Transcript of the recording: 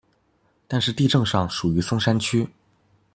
但是地政上屬於松山區